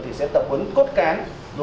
thì sẽ tập huấn cốt cán